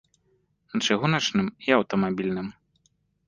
На чыгуначным і аўтамабільным.